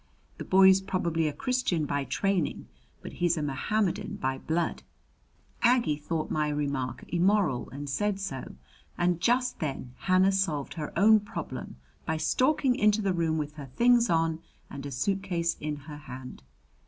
The boy's probably a Christian by training, but he's a Mohammedan by blood." Aggie thought my remark immoral and said so. And just then Hannah solved her own problem by stalking into the room with her things on and a suitcase in her hand.